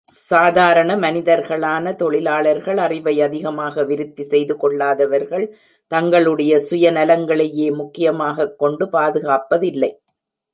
சாதாரண மனிதர்களான தொழிலாளர்கள், அறிவை அதிகமாக விருத்தி செய்துகொள்ளாதவர்கள், தங்களுடைய சுய நலங்களையே முக்கியமாகக் கொண்டு பாதுகாப்பதில்லை.